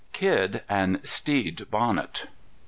_Kidd, and Stede Bonnet.